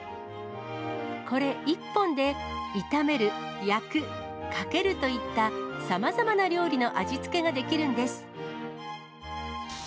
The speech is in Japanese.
これ１本で炒める、焼く、かけるといったさまざまな料理の味付けができるんです。